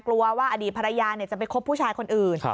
กลัวว่าอดีตภรรยาจะไปคบผู้ชายคนอื่น